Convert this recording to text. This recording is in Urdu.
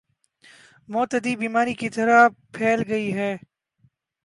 متعدی بیماری کی طرح پھیل گئی ہے